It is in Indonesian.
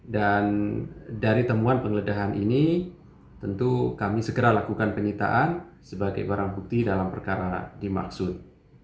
dan dari temuan pengledahan ini tentu kami segera lakukan penyitaan sebagai barang bukti dalam perkara dimaksud